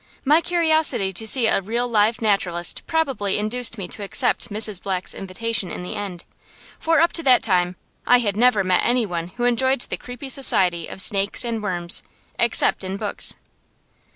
My curiosity to see a real live naturalist probably induced me to accept Mrs. Black's invitation in the end; for up to that time I had never met any one who enjoyed the creepy society of snakes and worms, except in books.